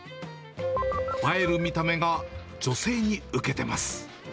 映える見た目が女性に受けてます。